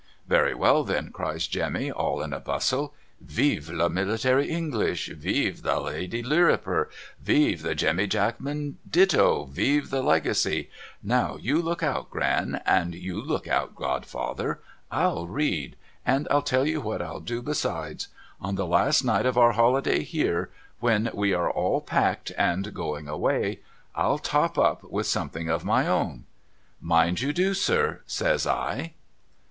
' Very well then,' cries Jemmy all in a bustle. ' Vive the Military English ! Vive the Lady Lirriper ! Vive the Jemmy Jackman Ditto ! Vive the Legacy ! Now, you look out. Gran. And you look out, godfather. 7'11 read ! And I'll tell you what I'll do besides. On the last night of our holiday here when we are all packed and going away, I'll top up with something of my own^.' ' Mind you do sir ' says I.